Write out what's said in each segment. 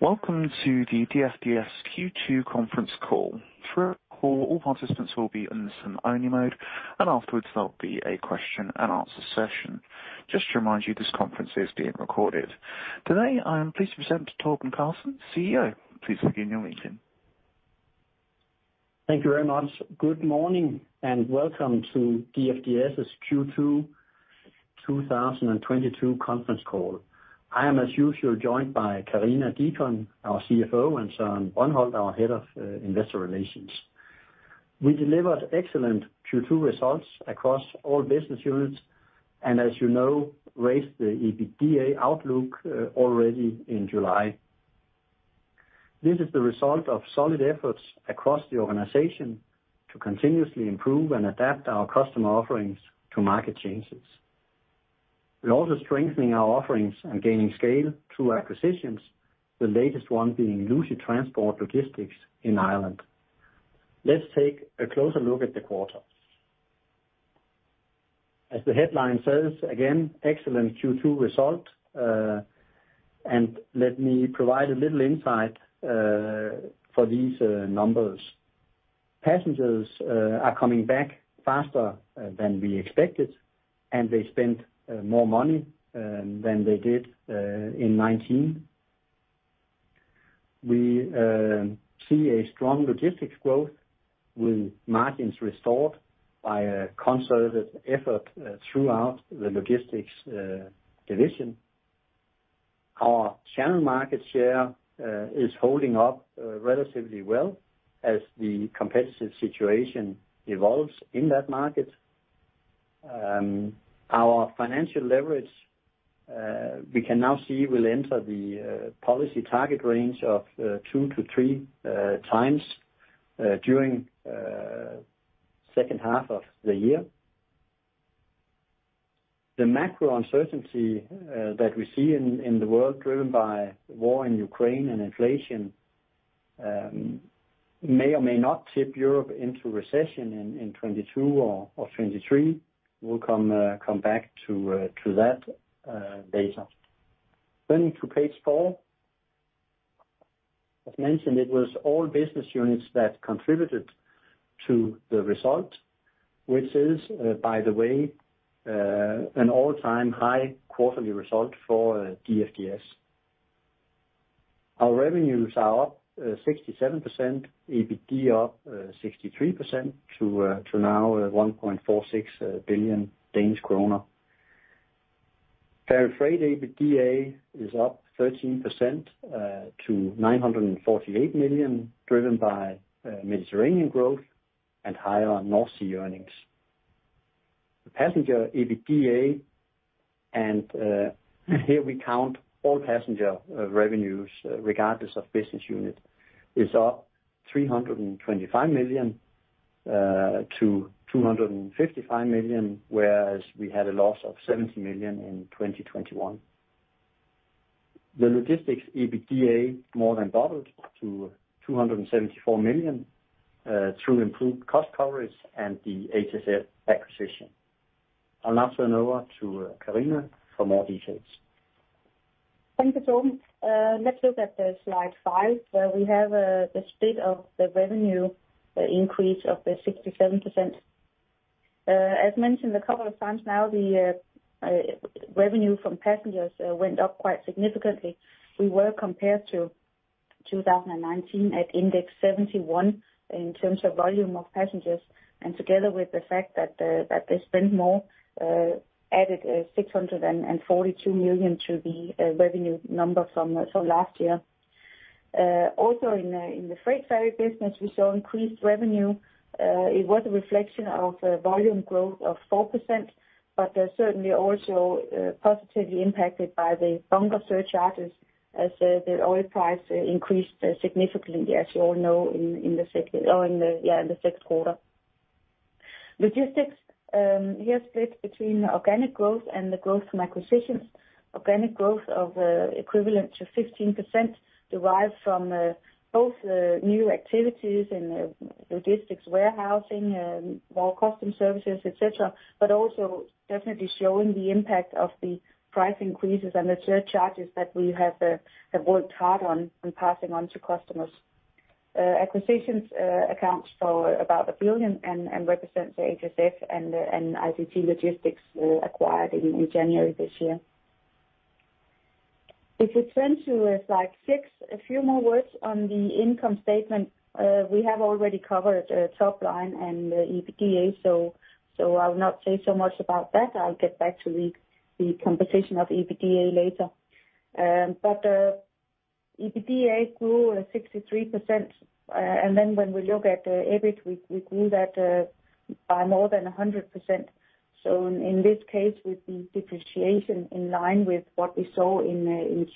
Welcome to the DFDS Q2 conference call. Through our call, all participants will be in listen only mode, and afterwards there'll be a question and answer session. Just to remind you, this conference is being recorded. Today, I am pleased to present Torben Carlsen, CEO. Please begin your presentation. Thank you very much. Good morning, and welcome to DFDS's Q2 2022 conference call. I am, as usual, joined by Karina Deacon, our CFO, and Søren Brøndholt, our head of investor relations. We delivered excellent Q2 results across all business units and as you know, raised the EBITDA outlook already in July. This is the result of solid efforts across the organization to continuously improve and adapt our customer offerings to market changes. We're also strengthening our offerings and gaining scale through acquisitions, the latest one being Lucey Transport Logistics in Ireland. Let's take a closer look at the quarter. As the headline says, again, excellent Q2 result. And let me provide a little insight for these numbers. Passengers are coming back faster than we expected, and they spent more money than they did in 2019. We see a strong logistics growth with margins restored by a concerted effort throughout the logistics division. Our channel market share is holding up relatively well as the competitive situation evolves in that market. Our financial leverage we can now see will enter the policy target range of 2-3 times during second half of the year. The macro uncertainty that we see in the world driven by war in Ukraine and inflation may or may not tip Europe into recession in 2022 or 2023. We'll come back to that data. To page four. As mentioned, it was all business units that contributed to the result, which is, by the way, an all-time high quarterly result for DFDS. Our revenues are up 67%, EBITDA up 63% to now 1.46 billion Danish kroner. Freight EBITDA is up 13% to 948 million, driven by Mediterranean growth and higher North Sea earnings. The passenger EBITDA, here we count all passenger revenues regardless of business unit, is up 325 million to 255 million, whereas we had a loss of 70 million in 2021. The logistics EBITDA more than doubled to 274 million through improved cost coverage and the HSF acquisition. I'll now turn over to Karina for more details. Thank you, Torben. Let's look at the slide 5, where we have the split of the revenue, the increase of the 67%. As mentioned a couple of times now, the revenue from passengers went up quite significantly. We were compared to 2019 at index 71 in terms of volume of passengers, and together with the fact that they spent more added 642 million to the revenue number from last year. Also in the freight carrier business, we saw increased revenue. It was a reflection of a volume growth of 4%, but certainly also positively impacted by the bunker surcharges as the oil price increased significantly, as you all know, in the second quarter. Logistics, here split between organic growth and the growth from acquisitions. Organic growth equivalent to 15% derived from both new activities in logistics, warehousing, more custom services, et cetera, but also definitely showing the impact of the price increases and the surcharges that we have worked hard on passing on to customers. Acquisitions accounts for about 1 billion and represents the HSF and ICT Logistics, acquired in January this year. If we turn to slide 6, a few more words on the income statement. We have already covered top line and the EBITDA, so I will not say so much about that. I'll get back to the composition of EBITDA later. EBITDA grew 63%. When we look at EBIT, we grew that by more than 100%. In this case, with the depreciation in line with what we saw in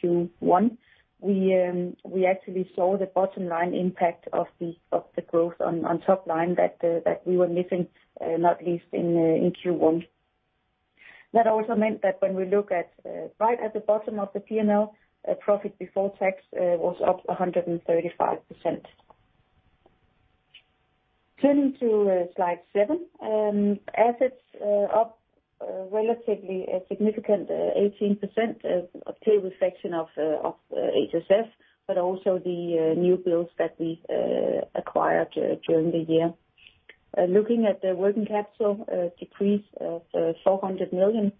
Q1, we actually saw the bottom line impact of the growth on top line that we were missing, not least in Q1. That also meant that when we look at right at the bottom of the P&L, profit before tax was up 135%. Turning to slide 7. Assets are up relatively, a significant 18% on the balance sheet of HSF, but also the new builds that we acquired during the year. Looking at the working capital decrease of 400 million.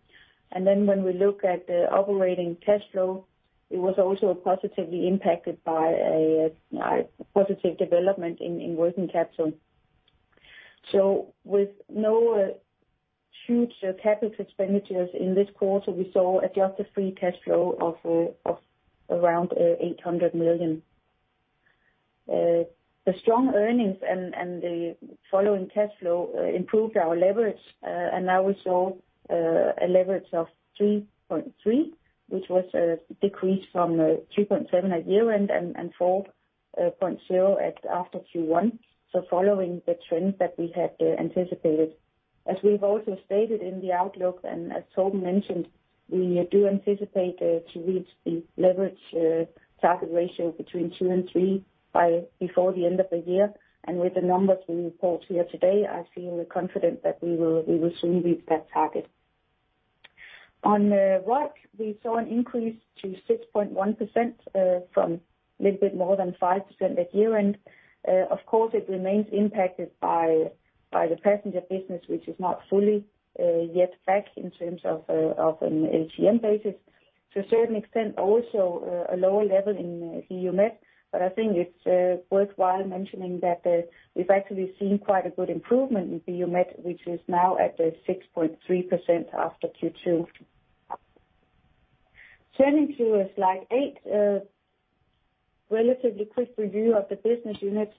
When we look at the operating cash flow, it was also positively impacted by a positive development in working capital. With no huge capital expenditures in this quarter, we saw adjusted free cash flow of around 800 million. The strong earnings and the following cash flow improved our leverage. Now we saw a leverage of 3.3, which was a decrease from 3.7 at year-end, and 4.0 after Q1. Following the trend that we had anticipated. As we've also stated in the outlook, and as Torben mentioned, we do anticipate to reach the leverage target ratio between 2 and 3 by the end of the year. With the numbers we report here today, I feel confident that we will soon reach that target. On ROIC, we saw an increase to 6.1% from a little bit more than 5% at year-end. Of course, it remains impacted by the passenger business, which is not fully yet back in terms of an EBIT basis. To a certain extent, also a lower level in UMEX, but I think it's worthwhile mentioning that we've actually seen quite a good improvement in UMEX, which is now at 6.3% after Q2. Turning to slide 8. Relatively quick review of the business units,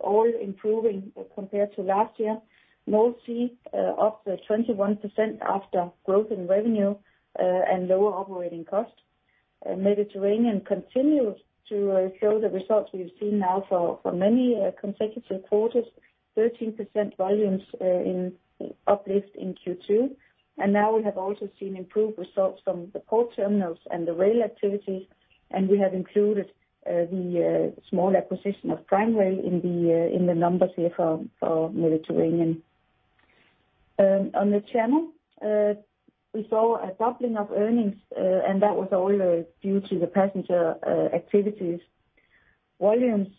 all improving compared to last year. North Sea up 21% after growth in revenue and lower operating costs. Mediterranean continues to show the results we've seen now for many consecutive quarters, 13% uplift in volumes in Q2. Now we have also seen improved results from the port terminals and the rail activities, and we have included the small acquisition of Prime Rail in the numbers here for Mediterranean. On the channel, we saw a doubling of earnings, and that was all due to the passenger activities. Volumes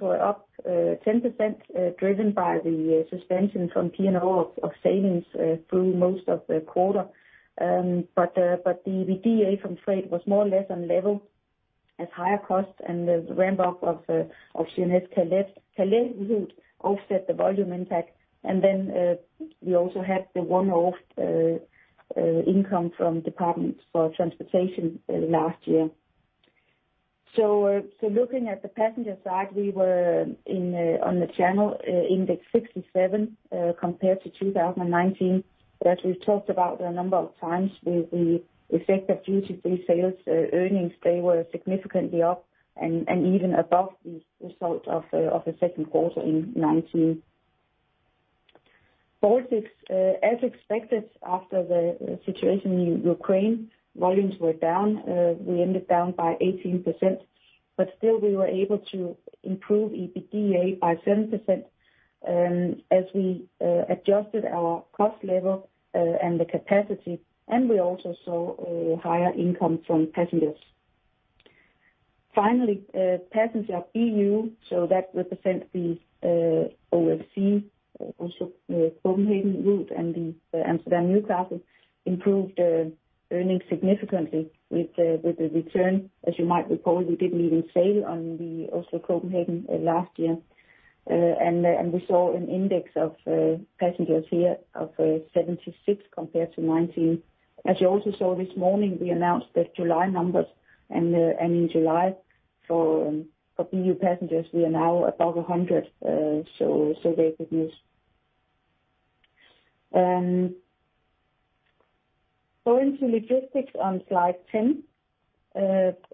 were up 10%, driven by the suspension from P&O of sailings through most of the quarter. But the EBITDA from freight was more or less on level as higher costs and the ramp up of CLdN Calais route offset the volume impact. Then we also had the one-off income from Department for Transport last year. Looking at the passenger side, we were on the Channel index 67 compared to 2019. As we've talked about a number of times, the effect of duty-free sales earnings they were significantly up and even above the result of the second quarter in 2019. Baltics, as expected after the situation in Ukraine, volumes were down. We ended down by 18%, but still we were able to improve EBITDA by 7% as we adjusted our cost level and the capacity, and we also saw a higher income from passengers. Finally, passenger EU, so that represents the OFC, also the Copenhagen route and the Amsterdam-Newcastle improved earnings significantly with the return. As you might recall, we didn't even sail on the Oslo-Frederikshavn-Copenhagen last year. We saw an index of passengers here of 76 compared to 19. As you also saw this morning, we announced the July numbers. In July for EU passengers, we are now above 100, so there's good news. Going to logistics on slide 10.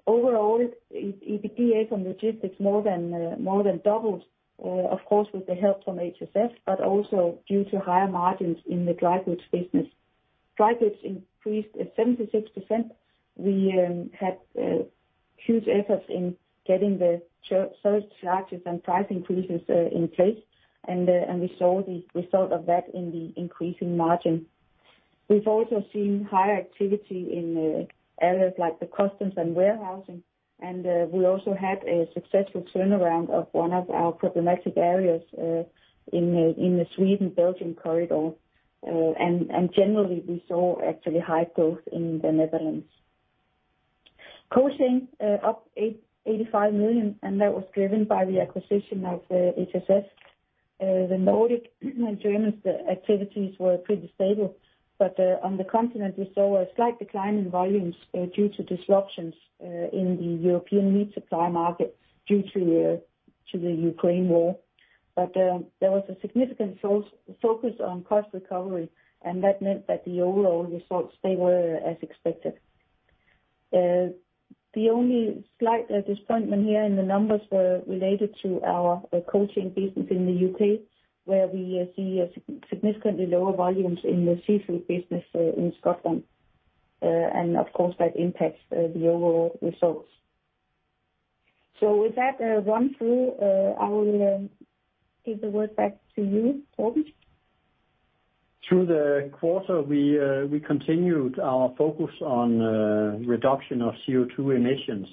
Overall EBITDA from logistics more than doubled, of course with the help from HSF, but also due to higher margins in the dry goods business. Dry goods increased 76%. We had huge efforts in getting the service charges and price increases in place. We saw the result of that in the increasing margin. We've also seen higher activity in areas like the customs and warehousing, and we also had a successful turnaround of one of our problematic areas in the Sweden-Belgium corridor. Generally we saw actually high growth in the Netherlands. Cold chain up 85 million, and that was driven by the acquisition of HSF. The Nordic and German activities were pretty stable, but on the continent, we saw a slight decline in volumes due to disruptions in the European meat supply markets due to the Ukraine war. But there was a significant focus on cost recovery, and that meant that the overall results were as expected. The only slight disappointment here in the numbers were related to our cold chain business in the UK, where we see significantly lower volumes in the seafood business in Scotland. Of course, that impacts the overall results. With that run through, I will give the word back to you, Torben. Through the quarter, we continued our focus on reduction of CO2 emissions.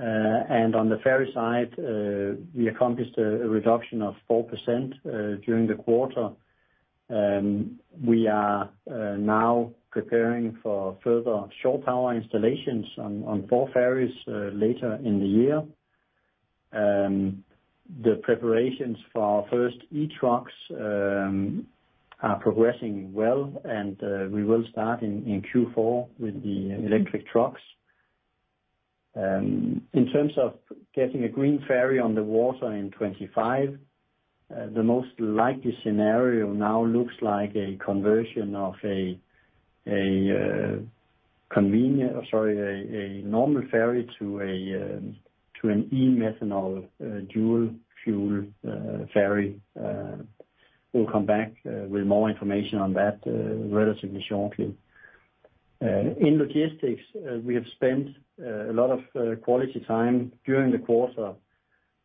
On the ferry side, we accomplished a reduction of 4% during the quarter. We are now preparing for further shore power installations on four ferries later in the year. The preparations for our first e-trucks are progressing well, and we will start in Q4 with the electric trucks. In terms of getting a green ferry on the water in 2025, the most likely scenario now looks like a conversion of a normal ferry to an e-methanol dual fuel ferry. We'll come back with more information on that relatively shortly. In logistics, we have spent a lot of quality time during the quarter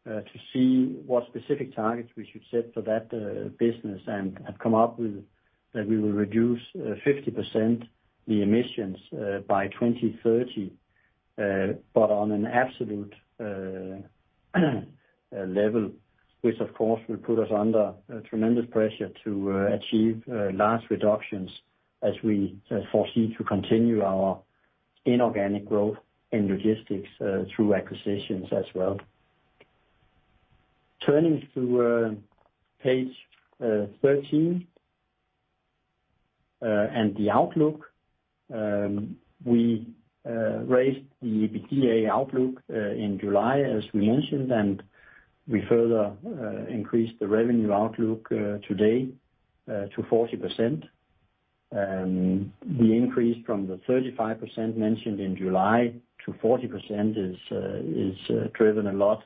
to see what specific targets we should set for that business and have come up with that we will reduce 50% the emissions by 2030. On an absolute level, which of course will put us under tremendous pressure to achieve large reductions as we foresee to continue our inorganic growth in logistics through acquisitions as well. Turning to page 13 and the outlook, we raised the EBITDA outlook in July, as we mentioned, and we further increased the revenue outlook today to 40%. The increase from the 35% mentioned in July to 40% is driven a lot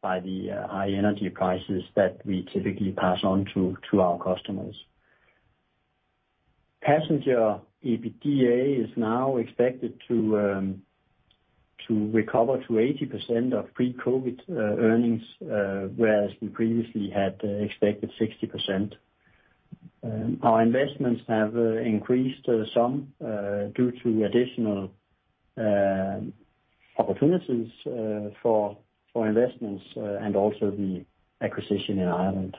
by the high energy prices that we typically pass on to our customers. Passenger EBITDA is now expected to recover to 80% of pre-COVID earnings, whereas we previously had expected 60%. Our investments have increased some due to additional opportunities for investments and also the acquisition in Ireland.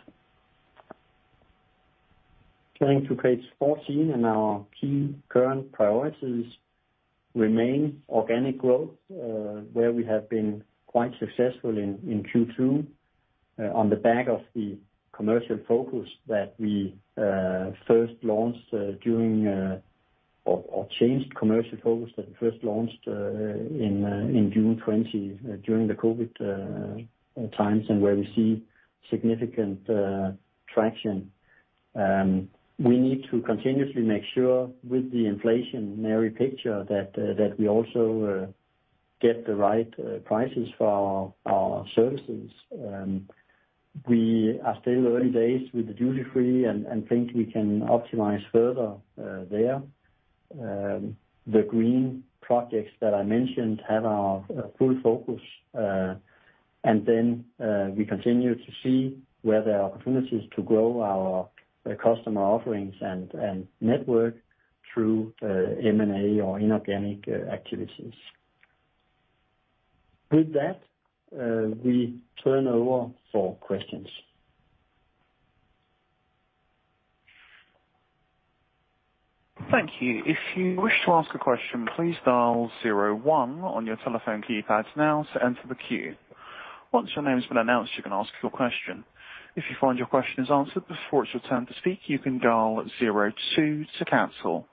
Turning to page 14 and our key current priorities remain organic growth, where we have been quite successful in Q2 on the back of our changed commercial focus that we first launched in June 2020 during the COVID times and where we see significant traction. We need to continuously make sure with the inflationary picture that we also get the right prices for our services. We are still early days with the duty-free and think we can optimize further there. The green projects that I mentioned have our full focus. We continue to see where there are opportunities to grow our customer offerings and network through M&A or inorganic activities. With that, we turn over for questions. Thank you. If you wish to ask a question, please dial zero one on your telephone keypads now to enter the queue. Once your name has been announced, you can ask your question. If you find your question is answered before it's your turn to speak, you can dial zero two to cancel.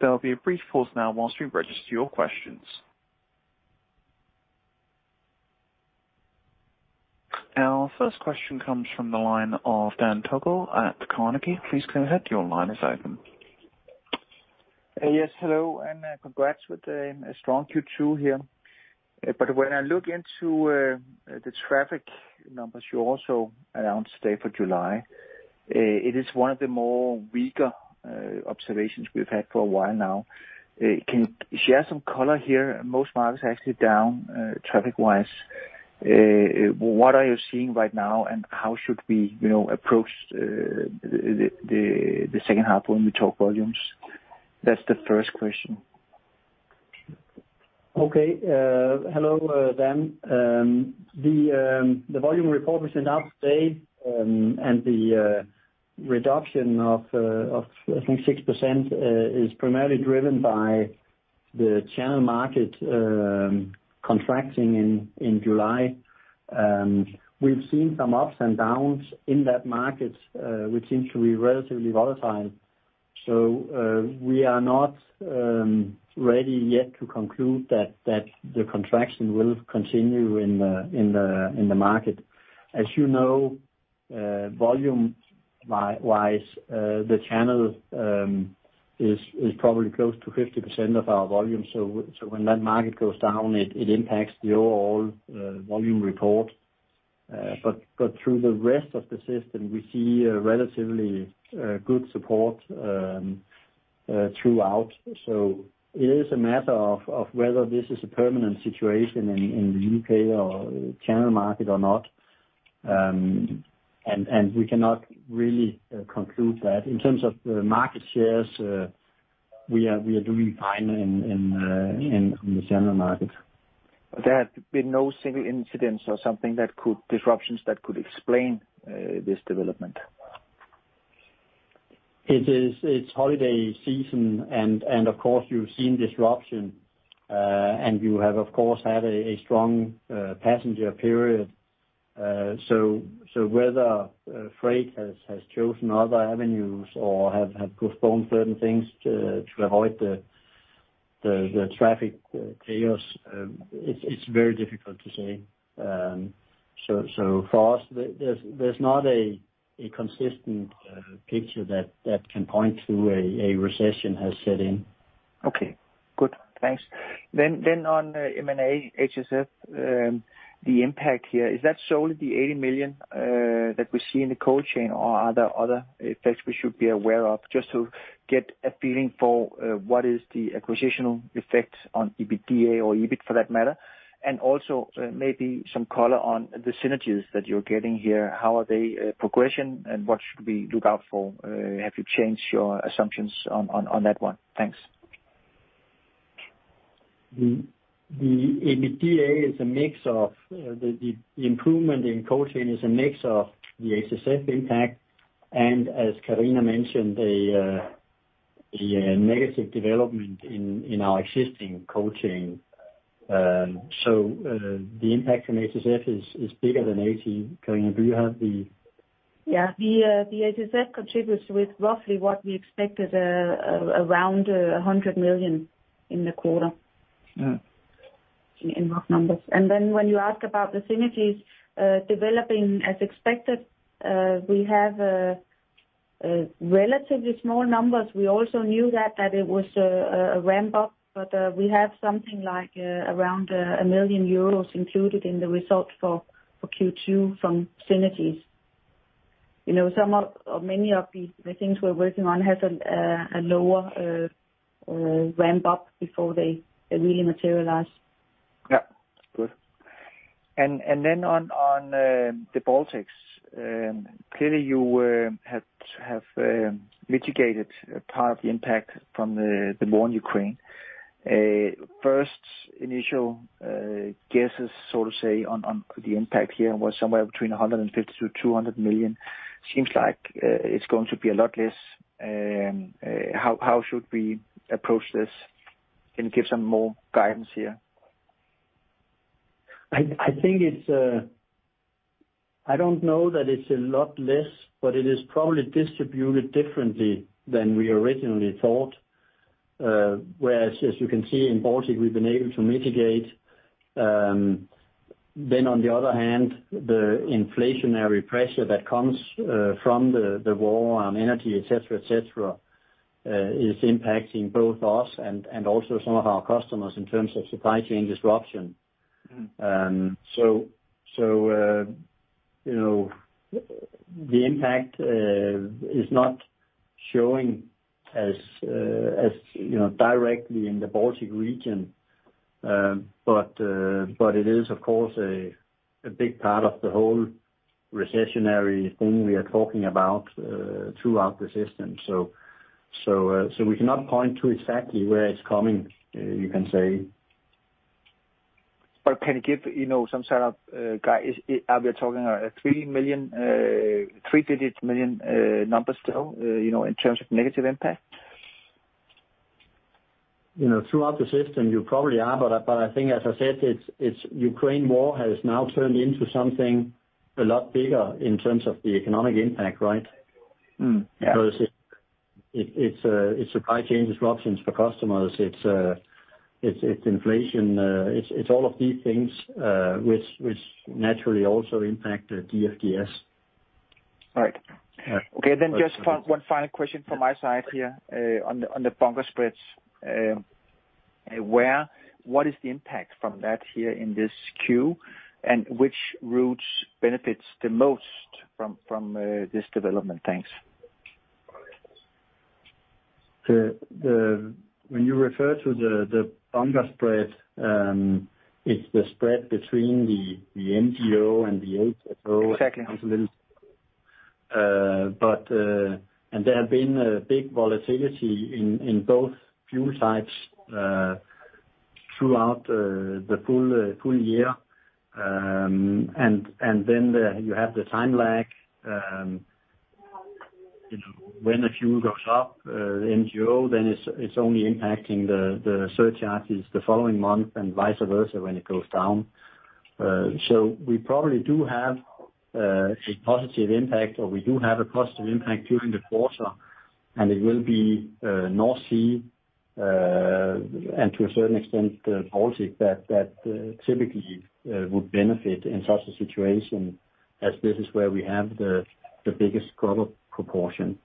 There'll be a brief pause now while we register your questions. Our first question comes from the line of Dan Togo Jensen at Carnegie. Please go ahead. Your line is open. Yes, hello, congrats with a strong Q2 here. When I look into the traffic numbers you also announced today for July, it is one of the more weaker observations we've had for a while now. Can you share some color here? Most markets are actually down traffic-wise. What are you seeing right now, and how should we you know approach the second half when we talk volumes? That's the first question. Okay. Hello, Dan, The volume report was enough today, and the reduction of I think 6% is primarily driven by the Channel market contracting in July. We've seen some ups and downs in that market, which seems to be relatively volatile. We are not ready yet to conclude that the contraction will continue in the market. As you know, volume-wise, the Channel is probably close to 50% of our volume. When that market goes down, it impacts the overall volume report. But through the rest of the system, we see a relatively good support throughout. It is a matter of whether this is a permanent situation in the UK or channel market or not. We cannot really conclude that. In terms of the market shares, we are doing fine in the general market. There have been no single incidents or disruptions that could explain this development. It's holiday season and, of course, you've seen disruption. You have, of course, had a strong passenger period. Whether freight has chosen other avenues or have postponed certain things to avoid the traffic chaos, it's very difficult to say. For us, there's not a consistent picture that can point to a recession has set in. Okay. Good. Thanks. On M&A HSF, the impact here is that solely the 80 million that we see in the cold chain or are there other effects we should be aware of? Just to get a feeling for what is the acquisition effect on EBITDA or EBIT for that matter. Also, maybe some color on the synergies that you are getting here. How are they progressing, and what should we look out for? Have you changed your assumptions on that one? Thanks. The EBITDA is a mix of the improvement in cold chain is a mix of the HSF impact, and as Karina mentioned, the negative development in our existing cold chain. The impact from HSF is bigger than 80. Karina, do you have the- The HSF contributes with roughly what we expected, around 100 million in the quarter. Mm. In rough numbers. Then when you ask about the synergies developing as expected, we have a relatively small numbers. We also knew that it was a ramp up, but we have something like around 1 million euros included in the result for Q2 from synergies. You know, some of many of the things we're working on has a lower ramp up before they really materialize. Yeah. Good. On the Baltics, clearly you have mitigated part of the impact from the war in Ukraine. First initial guesses, so to say, on the impact here was somewhere between 150 million-200 million. Seems like it's going to be a lot less. How should we approach this? Can you give some more guidance here? I think it's, I don't know that it's a lot less, but it is probably distributed differently than we originally thought. Whereas, as you can see in Baltic, we've been able to mitigate. On the other hand, the inflationary pressure that comes from the war on energy, et cetera, is impacting both us and also some of our customers in terms of supply chain disruption. Mm. You know, the impact is not showing as you know directly in the Baltic region. It is of course a big part of the whole recessionary thing we are talking about throughout the system. We cannot point to exactly where it's coming, you can say. Can you give, you know, some sort of guide? Are we talking a 3 million, 3-digit million, number still, you know, in terms of negative impact? You know, throughout the system, you probably are, but I think, as I said, it's Ukraine war has now turned into something a lot bigger in terms of the economic impact, right? Mm. Yeah. Because it's supply chain disruptions for customers. It's all of these things, which naturally also impact DFDS. Right. Yeah. Okay. Just one final question from my side here on the bunker spreads. What is the impact from that here in this Q2? Which routes benefits the most from this development? Thanks. When you refer to the bunker spread, it's the spread between the MGO and the HFO. Exactly. There have been a big volatility in both fuel types throughout the full year. You have the time lag, you know, when the fuel goes up, MGO, then it's only impacting the surcharges the following month and vice versa when it goes down. We probably do have a positive impact, or we do have a positive impact during the quarter, and it will be North Sea and to a certain extent Baltic that typically would benefit in such a situation as this is where we have the biggest cover proportion.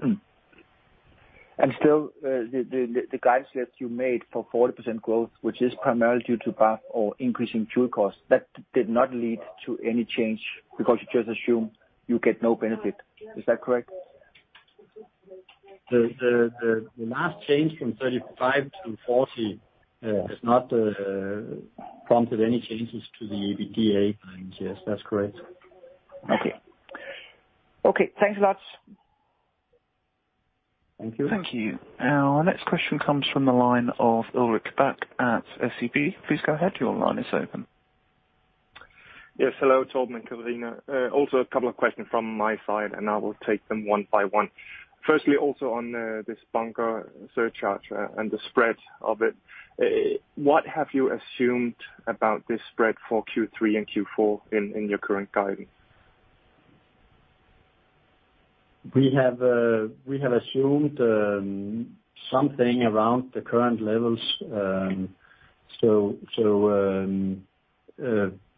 Mm. Still, the guidance that you made for 40% growth, which is primarily due to P&O or increasing fuel costs, that did not lead to any change because you just assume you get no benefit. Is that correct? The last change from 35 to 40 has not prompted any changes to the EBITDA guidance. Yes, that's correct. Okay, thanks a lot. Thank you. Thank you. Our next question comes from the line of Ulrik Bak at SEB. Please go ahead. Your line is open. Yes. Hello, Torben and Karina. Also a couple of questions from my side, and I will take them one by one. Firstly, also on this bunker surcharge and the spread of it, what have you assumed about this spread for Q3 and Q4 in your current guidance? We have assumed something around the current levels. A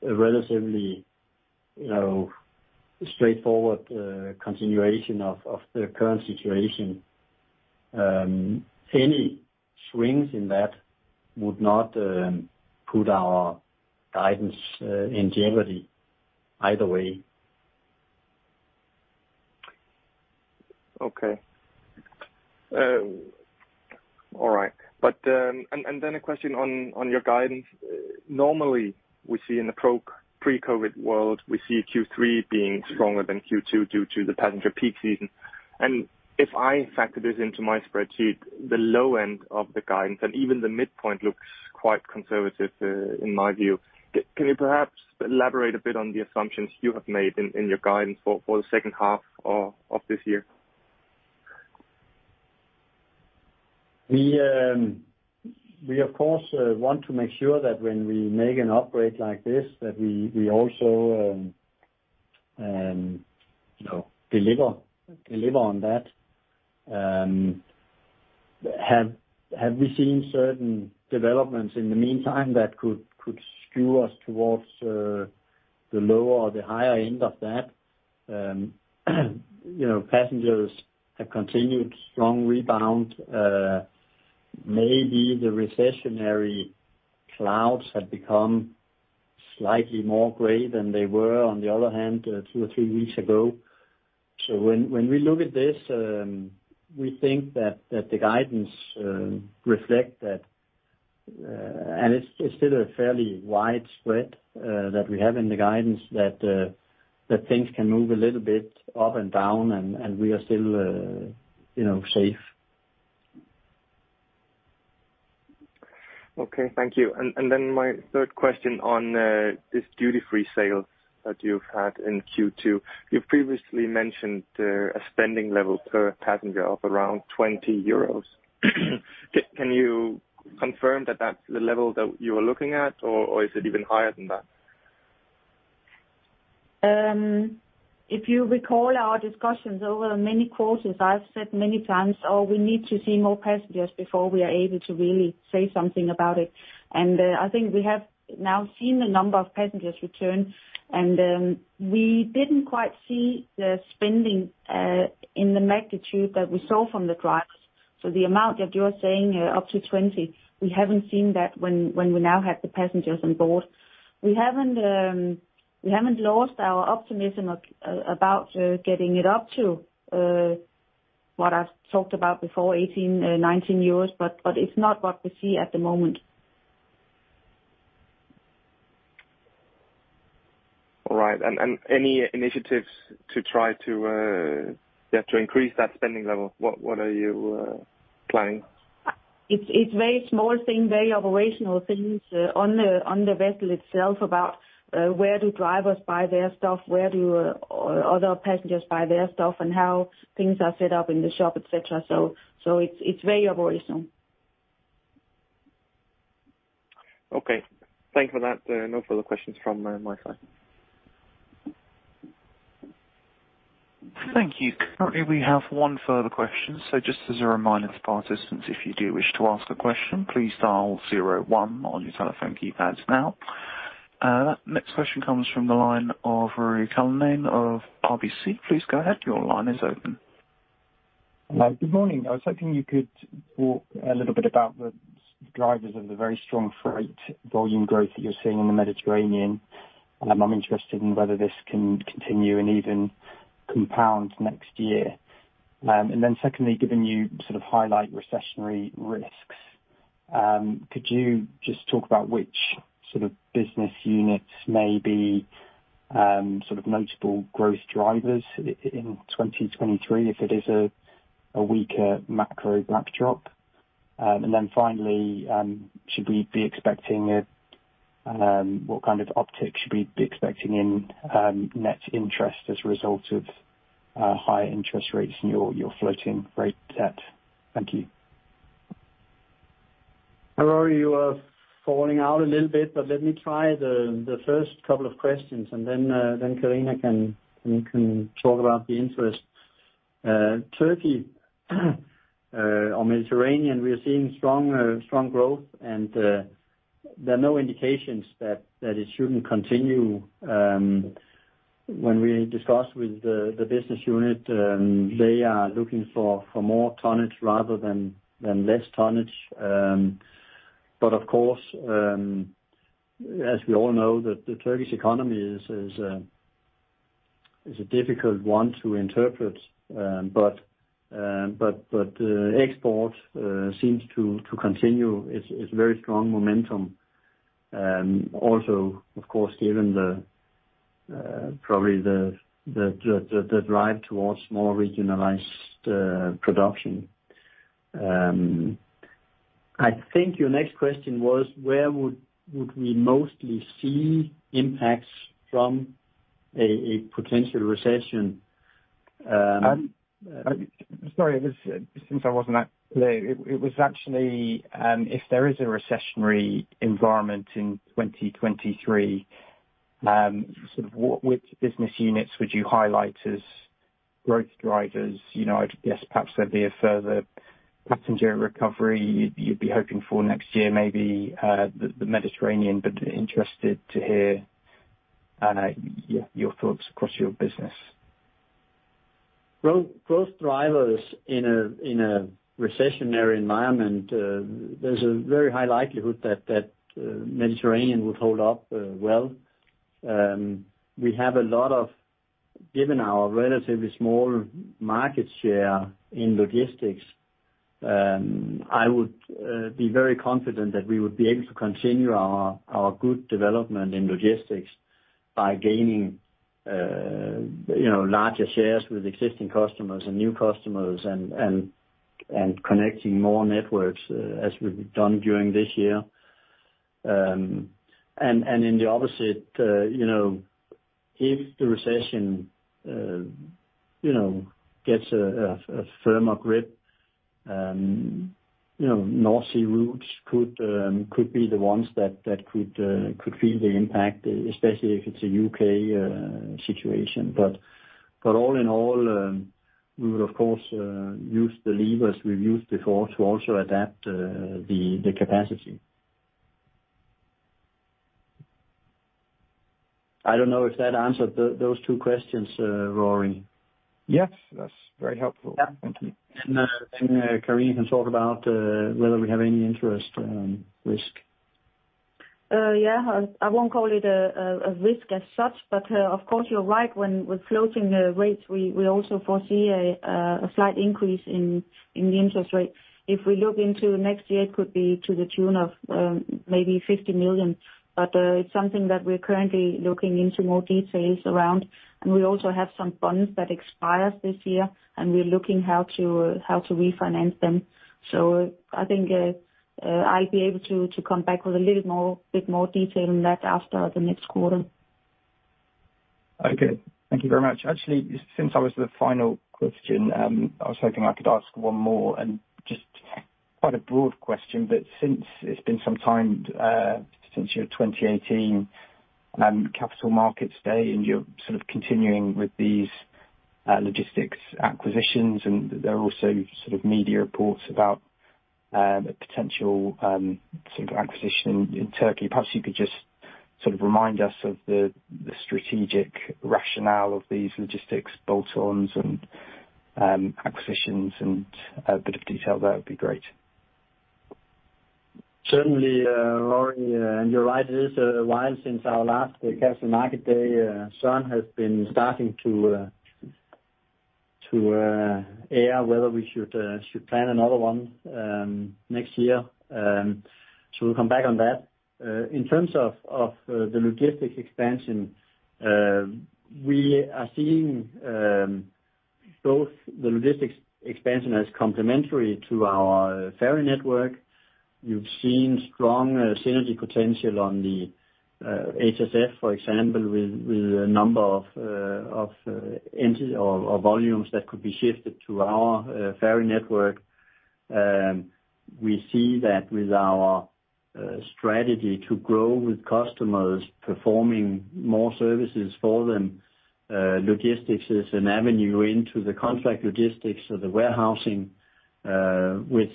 relatively, you know, straightforward continuation of the current situation. Any swings in that would not put our guidance in jeopardy either way. Okay. All right. A question on your guidance. Normally, we see in the pre-COVID world, we see Q3 being stronger than Q2 due to the passenger peak season. If I factor this into my spreadsheet, the low end of the guidance and even the midpoint looks quite conservative, in my view. Can you perhaps elaborate a bit on the assumptions you have made in your guidance for the second half of this year? We of course want to make sure that when we make an acquisition like this, that we also, you know, deliver on that. Have we seen certain developments in the meantime that could skew us towards the lower or the higher end of that? You know, passengers have continued strong rebound. Maybe the recessionary clouds have become slightly more gray than they were on the other hand two or three weeks ago. When we look at this, we think that the guidance reflect that. It's still a fairly wide spread that we have in the guidance that things can move a little bit up and down, and we are still, you know, safe. Okay. Thank you. My third question on this duty-free sale that you've had in Q2. You previously mentioned a spending level per passenger of around 20 euros. Can you confirm that that's the level that you are looking at, or is it even higher than that? If you recall our discussions over the many quarters, I've said many times, we need to see more passengers before we are able to really say something about it. I think we have now seen the number of passengers return, and we didn't quite see the spending in the magnitude that we saw from the drivers. The amount that you're saying, up to 20 EUR, we haven't seen that when we now have the passengers on board. We haven't lost our optimism about getting it up to what I've talked about before, 18-19 euros, but it's not what we see at the moment. All right. Any initiatives to increase that spending level? What are you planning? It's very small thing, very operational things on the vessel itself about where drivers buy their stuff, where other passengers buy their stuff, and how things are set up in the shop, et cetera. It's very operational. Okay. Thank you for that. No further questions from my side. Thank you. Currently, we have one further question. Just as a reminder to participants, if you do wish to ask a question, please dial zero one on your telephone keypads now. Next question comes from the line of Rory Cullinan of RBC. Please go ahead. Your line is open. Hello. Good morning. I was hoping you could talk a little bit about the drivers of the very strong freight volume growth that you're seeing in the Mediterranean. I'm interested in whether this can continue and even compound next year. Secondly, given you sort of highlight recessionary risks, could you just talk about which sort of business units may be sort of notable growth drivers in 2023 if it is a weaker macro backdrop? Finally, what kind of uptick should we be expecting in net interest as a result of higher interest rates in your floating rate debt? Thank you. Rory, you are fading out a little bit. Let me try the first couple of questions, and then Karina can talk about the rest. Turkey or Mediterranean, we are seeing strong growth. There are no indications that it shouldn't continue. When we discuss with the business unit, they are looking for more tonnage rather than less tonnage. Of course, as we all know, the Turkish economy is a difficult one to interpret. Export seems to continue its very strong momentum. Also, of course, given probably the drive towards more regionalized production. I think your next question was where would we mostly see impacts from a potential recession? Um- Sorry, since I wasn't that clear. It was actually if there is a recessionary environment in 2023, sort of which business units would you highlight as growth drivers? You know, I'd guess perhaps there'd be a further passenger recovery you'd be hoping for next year, maybe the Mediterranean. But interested to hear your thoughts across your business. Well, growth drivers in a recessionary environment, there's a very high likelihood that Mediterranean would hold up, well. Given our relatively small market share in logistics, I would be very confident that we would be able to continue our good development in logistics by gaining, you know, larger shares with existing customers and new customers and connecting more networks, as we've done during this year. In the opposite, you know, if the recession, you know, gets a firmer grip, you know, North Sea routes could be the ones that could feel the impact, especially if it's a U.K. situation. All in all, we would, of course, use the levers we've used before to also adapt the capacity. I don't know if that answered those two questions, Rory. Yes, that's very helpful. Yeah. Thank you. Karina can talk about whether we have any interest risk. Yeah. I won't call it a risk as such, but of course you're right. When we're floating rates, we also foresee a slight increase in the interest rate. If we look into next year, it could be to the tune of 50 million. But it's something that we're currently looking into more details around. We also have some bonds that expires this year, and we're looking how to refinance them. I think I'll be able to come back with a bit more detail on that after the next quarter. Okay. Thank you very much. Actually, since I was the final question, I was hoping I could ask one more. Just quite a broad question. Since it's been some time since your 2018 Capital Markets Day, and you're sort of continuing with these logistics acquisitions, and there are also sort of media reports about a potential sort of acquisition in Turkey. Perhaps you could just sort of remind us of the strategic rationale of these logistics bolt-ons and acquisitions and a bit of detail there would be great. Certainly, Rory, you're right, it is a while since our last capital market day. Søren has been starting to air whether we should plan another one next year. We'll come back on that. In terms of the logistics expansion, we are seeing both the logistics expansion as complementary to our ferry network. You've seen strong synergy potential on the HSF, for example, with a number of or volumes that could be shifted to our ferry network. We see that with our strategy to grow with customers, performing more services for them, logistics is an avenue into the contract logistics of the warehousing, which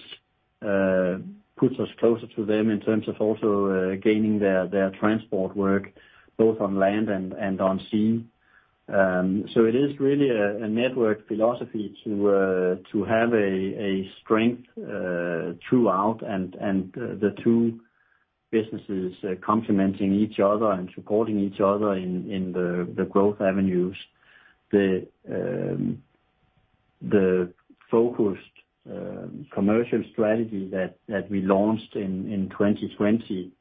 puts us closer to them in terms of also gaining their transport work both on land and on sea. So it is really a network philosophy to have a strength throughout and the two businesses complementing each other and supporting each other in the growth avenues. The focused commercial strategy that we launched in 2020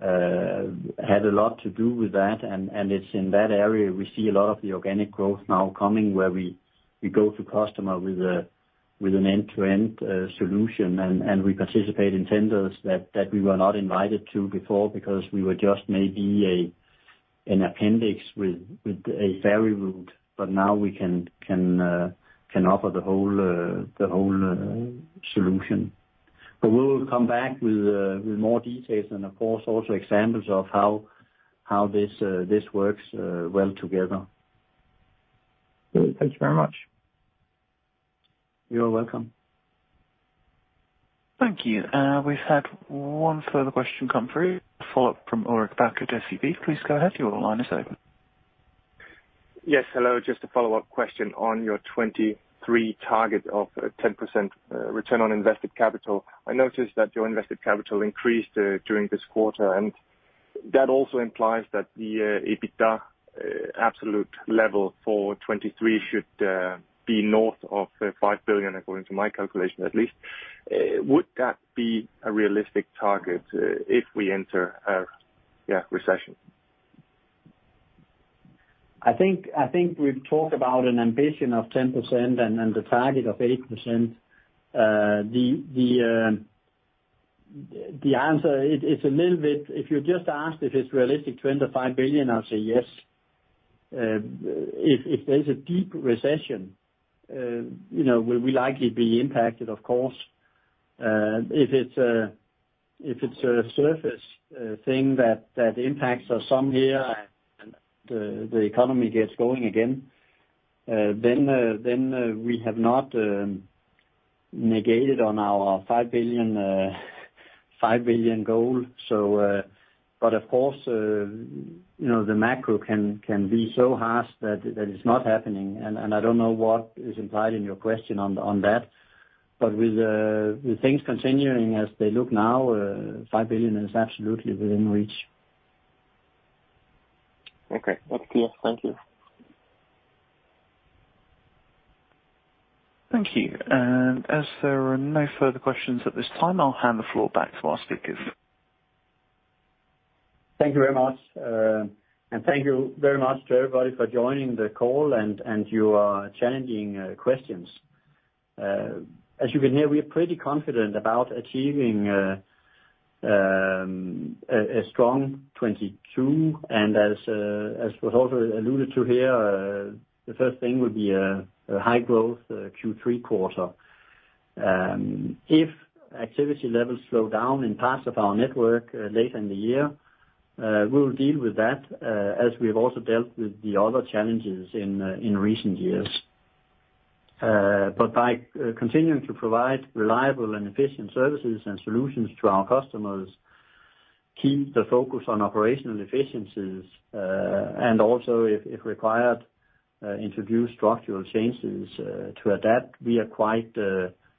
had a lot to do with that. It's in that area we see a lot of the organic growth now coming where we go to customer with an end-to-end solution. We participate in tenders that we were not invited to before because we were just maybe an appendix with a ferry route. Now we can offer the whole solution. We'll come back with more details and of course also examples of how this works well together. Great. Thank you very much. You're welcome. Thank you. We've had one further question come through. A follow-up from Ulrik Bak of SEB. Please go ahead, your line is open. Yes. Hello. Just a follow-up question on your 2023 target of 10% return on invested capital. I noticed that your invested capital increased during this quarter, and that also implies that the EBITDA absolute level for 2023 should be north of 5 billion, according to my calculation, at least. Would that be a realistic target if we enter a recession? I think we've talked about an ambition of 10% and a target of 8%. The answer is a little bit. If you just asked if it's realistic to earn 5 billion, I'll say yes. If there's a deep recession, you know, we'll likely be impacted, of course. If it's a surface thing that impacts us some here and the economy gets going again, then we have not negated on our 5 billion goal. But of course, you know, the macro can be so harsh that it's not happening and I don't know what is implied in your question on that. With things continuing as they look now, 5 billion is absolutely within reach. Okay. That's clear. Thank you. Thank you. As there are no further questions at this time, I'll hand the floor back to our speakers. Thank you very much. Thank you very much to everybody for joining the call and your challenging questions. As you can hear, we are pretty confident about achieving a strong 2022. As was also alluded to here, the first thing would be a high growth Q3 quarter. If activity levels slow down in parts of our network later in the year, we'll deal with that, as we have also dealt with the other challenges in recent years. By continuing to provide reliable and efficient services and solutions to our customers, keep the focus on operational efficiencies, and also, if required, introduce structural changes to adapt, we are quite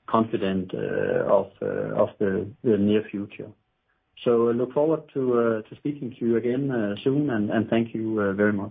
confident of the near future. Look forward to speaking to you again soon, and thank you very much.